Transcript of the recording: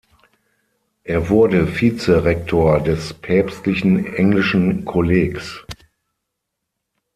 Er wurde Vizerektor des Päpstlichen Englischen Kollegs.